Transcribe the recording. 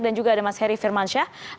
dan juga ada mas heri firmansyah